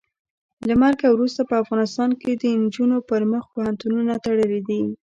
له مرګه وروسته په افغانستان کې د نجونو پر مخ پوهنتونونه تړلي دي.